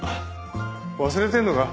忘れてんのか？